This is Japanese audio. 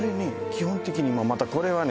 基本的にまたこれはね